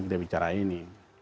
kita bicara ini